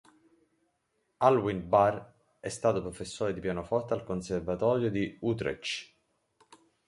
Alwin Bär è stato professore di pianoforte al Conservatorio di Utrecht.